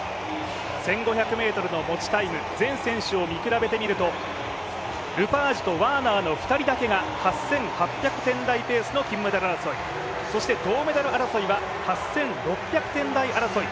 １５００ｍの持ちタイム全選手を見比べてみるとワーナーとルパージュの２人だけが８８００点台ペースの金メダル争い、銅メダル争いは８６００点台争い。